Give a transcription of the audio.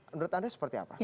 menurut anda seperti apa